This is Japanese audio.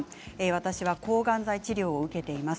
私は抗がん剤治療を受けています。